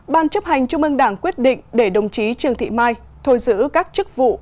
bốn bàn chấp hành trung ương đảng quyết định để đồng chí trường thị mai thôi giữ các chức vụ